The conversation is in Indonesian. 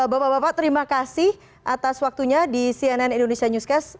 bapak bapak terima kasih atas waktunya di cnn indonesia newscast